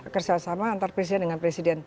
kerjasama antar presiden dengan presiden